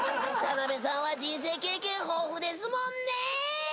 田辺さんは人生経験豊富ですもんね。